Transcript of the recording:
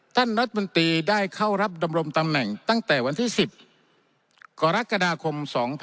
ท่านรัฐมนตรีได้เข้ารับดำรงตำแหน่งตั้งแต่วันที่๑๐กรกฎาคม๒๕๖๒